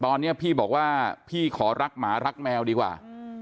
ตอนนี้พี่บอกว่าพี่ขอรักหมารักแมวดีกว่า